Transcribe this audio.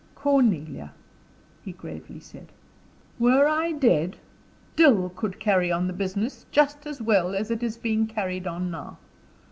"Cornelia," he gravely said, "were I dead, Dill could carry on the business just as well as it is being carried on now.